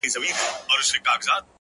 • گل وي ياران وي او سايه د غرمې ـ